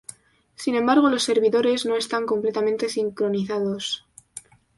Sin embargo, los servidores no están completamente sincronizados.